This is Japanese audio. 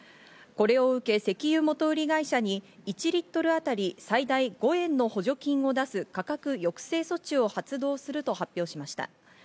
これを受け、石油元売り会社に１リットルあたり最大５円の補助金を出す価格抑制措置を発動すると発表しました。